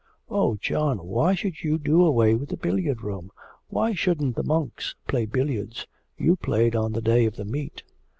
'Oh, John, why should you do away with the billiard room; why shouldn't the monks play billiards? You played on the day of the meet.'